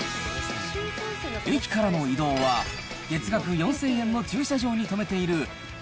駅からの移動は、月額４０００円の駐車場に止めている、